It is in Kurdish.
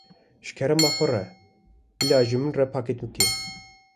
Ji kerema xwe bila ji min re pakêt bike.